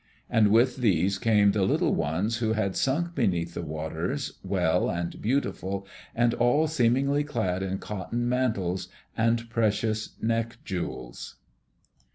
And with these came the little ones who had sunk beneath the waters, well and beautiful and all seemingly clad in cotton mantles and precious neck jewels.